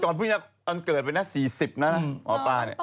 ก่อนพี่เงียบตอนเกิดไปนะ๔๐นะหมอป้าเนี่ย